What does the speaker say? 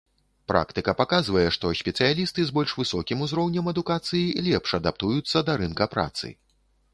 Практыка паказвае, што спецыялісты з больш высокім узроўнем адукацыі лепш адаптуюцца да рынка працы.